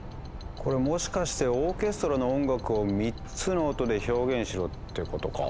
これもしかしてオーケストラの音楽を３つの音で表現しろってことか？